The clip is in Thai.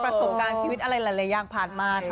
ประสงค์การชีวิตอะไรยังผ่านมา